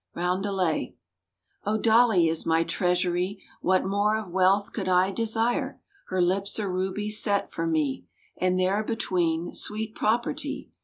Roundelay— Oh, Dolly is my treasury— What more of wealth could I desire? Her lips are rubies set for me, And there between (sweet property!)